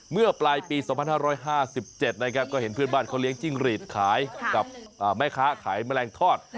เมื่อปลายปี๒๕๕๗นะครับก็เห็นเพื่อนบ้านเขาเลี้ยงจิ้งหรีดขายกับแม่ค้าขายแมลงทอด